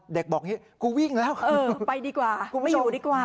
เด็กบอกกูวิ่งแล้วไปดีกว่ากูไม่อยู่ดีกว่า